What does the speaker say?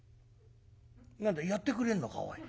なんだやってくれるのかおい。